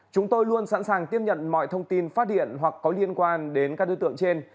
chúng tôi luôn sẵn sàng tiếp nhận mọi thông tin phát điện hoặc có liên quan đến các đối tượng trên